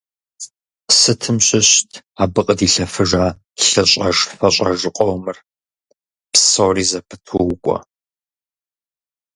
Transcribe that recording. Сытым щыщыт абы къыдилъэфыжа лъыщӏэж-фэщӏэж къомыр… Псори зэпыту укӏуэ.